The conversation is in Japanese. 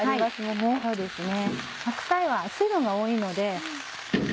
白菜は水分が多いので。